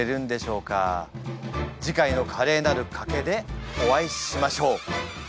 次回の「カレーなる賭け」でお会いしましょう。